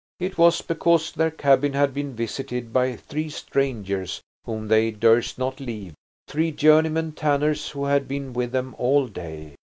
It was because their cabin had been visited by three strangers whom they durst not leave, three journeymen tanners who had been with them all day.